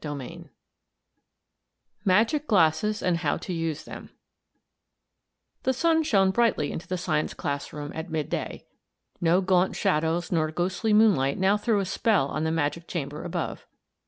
CHAPTER II MAGIC GLASSES, AND HOW TO USE THEM The sun shone brightly into the science class room at mid day. No gaunt shadows nor ghostly moonlight now threw a spell on the magic chamber above.